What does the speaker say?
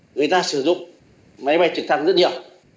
người ta sử dụng máy bay trực thăng rất nhiều